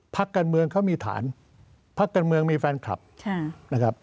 พักการเมืองเขามีฐานพักการเมืองมีแฟนคลับนะครับ